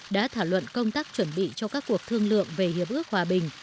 đã thảo luận công tác chuẩn bị cho các cuộc thương lượng về hiệp ước hòa bình